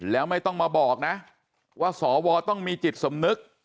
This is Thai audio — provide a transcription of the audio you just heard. แล้วไม่ต้องมาบอกนะว่าสวต้องมีจิตสำนึก